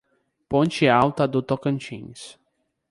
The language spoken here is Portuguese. Ponte Alta do Tocantins